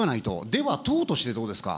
では党としてどうですか。